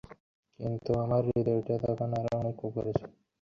তিনি অভিযোগ করেছেন, হুইপ তাঁর কাছে তিন লাখ টাকা দাবি করেন।